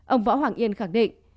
ông võ hoàng yên khẳng định